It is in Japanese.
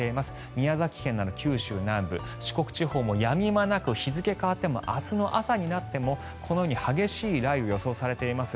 宮崎県など九州南部四国地方もやみまなく日付が変わっても明日の朝になっても、このように激しい雷雨が予想されています。